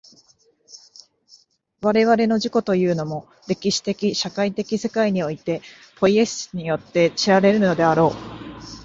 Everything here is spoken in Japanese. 我々の自己というものも、歴史的社会的世界においてのポイエシスによって知られるのであろう。